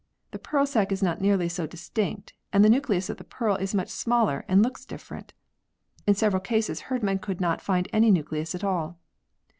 The pearl sac is not nearly so distinct, and the nucleus of the pearl is much smaller and looks different. In several cases Herdman could not find any nucleus at all.